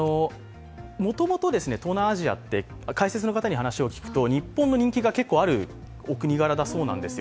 もともと、東南アジアって解説の方に話を聞くと日本の人気が結構あるお国柄なんだそうです。